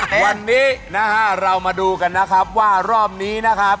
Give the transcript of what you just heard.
วันนี้นะฮะเรามาดูกันนะครับว่ารอบนี้นะครับ